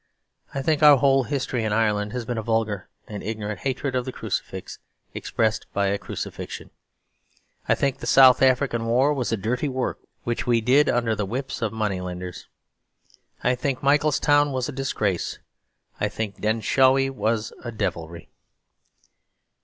I think our whole history in Ireland has been a vulgar and ignorant hatred of the crucifix, expressed by a crucifixion. I think the South African War was a dirty work which we did under the whips of moneylenders. I think Mitchelstown was a disgrace; I think Denshawi was a devilry.